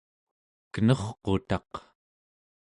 kenurqutaq